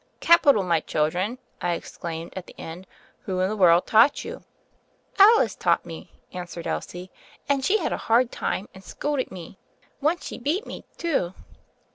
"Capital, my children!" I exclaimed at the end. Who in the world taught you?" "Alice taught me," answered Elsie, "and she had a hard time, and scolded me. Once she beat me, too."